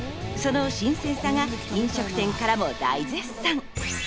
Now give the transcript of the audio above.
その新鮮さが飲食店からも大絶賛。